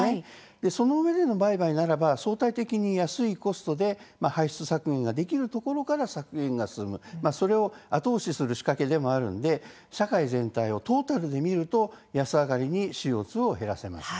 そのうえでの売買ならば相対的に安いコストで排出削減ができるところから削減が進むのを後押しする仕掛けでもあるので社会全体でトータルで見ると安上がりにＣＯ２を減らせます。